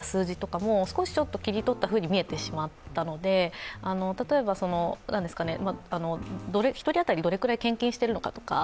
出されていた資料や数字も少し切り取ったふうに見えてしまったので、例えば１人当たりどれくらい献金しているのか